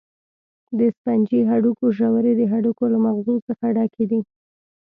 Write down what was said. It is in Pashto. د سفنجي هډوکو ژورې د هډوکو له مغزو څخه ډکې دي.